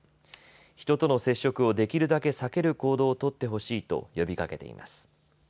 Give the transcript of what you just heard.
人との接触をできるだけ避ける行動を取ってほしいと呼びかけています。